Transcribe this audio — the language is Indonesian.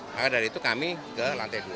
maka dari itu kami ke lantai dua